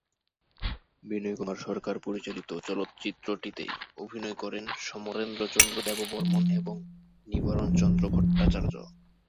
বিনয়কুমার সরকার পরিচালিত চলচ্চিত্রটিতে অভিনয় করেন সমরেন্দ্রচন্দ্র দেববর্মণ এবং নিবারণচন্দ্র ভট্টাচার্য।